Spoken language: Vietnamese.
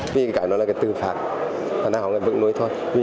vì cái đó là cái tư phạt nó là người vững nuôi thôi